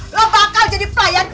lo bakal jadi pelayan